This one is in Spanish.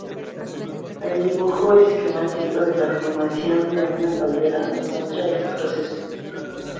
El dibujo esquemático de la formación de una caldera nos muestra este proceso.